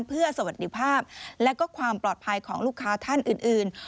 เพื่อสวัสดีภาพและก็ความปลอดภัยของลูกค้าท่านอื่น